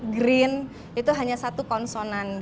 green itu hanya satu konsonan